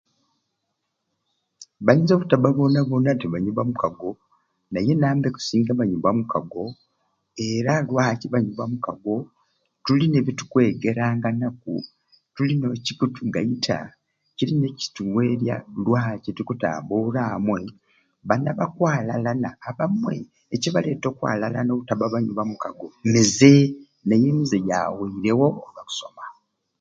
Bainza obutabba boona boona nti banywi bamukago naye enamba ekusinga banywi ba mukago era lwaki banywi bamukago tulina ebitukwegeranganaku, tulina oluciiko oluttugaita kirina kyekittuweerya lwaki tukutambuura amwe. Bani abakwalalana abamwe ekibaleeta okwaalalana obutabba n'abanywi bamikago mize, naye emize ati gyaweirewo olwakusoma